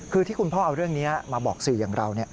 คือที่คุณพ่อเอาเรื่องนี้มาบอกสื่ออย่างเรา